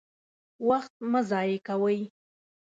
وخت مه ضايع کوئ!